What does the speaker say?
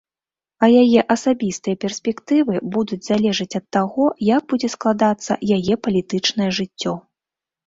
А яе асабістыя перспектывы будуць залежаць ад таго, як будзе складацца яе палітычнае жыццё.